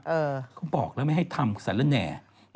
เออก็บอกแล้วไม่ให้ทำสรรและแหน่